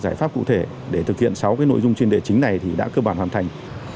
giải pháp cụ thể để thực hiện sáu nội dung chuyên đề chính này thì đã cơ bản hoàn thành